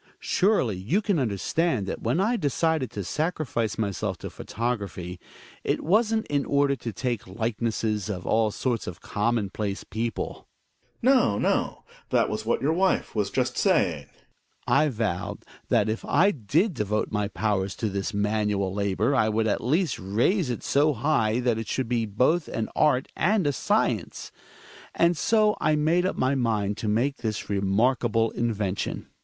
Surely you can understand that when I decided to sacrifice myself to photography, it wasn't in order to take likenesses of all sorts of commonplace people. Gregers. No, no, that was what your wife was just saying. Hjalmar. I vowed that if I did devote my powers to this manual labor I would at least raise it so high that it should be both an art ajid^A acience. ^nd so I made up my mind to make this remarkable invention.